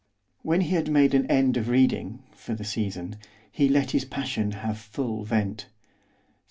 When he had made an end of reading, for the season, he let his passion have full vent.